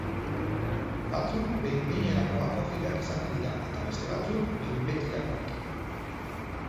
Batzuk behin-behinerako akogidak izaten dira, eta beste batzuk behin-betirakoak.